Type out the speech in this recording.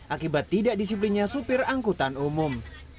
akibat tidak disiplinnya supir angkutan umum